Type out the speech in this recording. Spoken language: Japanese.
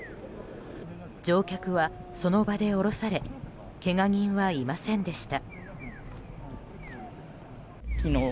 乗客はその場で降ろされけが人はいませんでした。